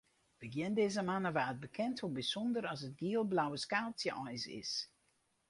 Begjin dizze moanne waard bekend hoe bysûnder as it giel-blauwe skaaltsje eins is.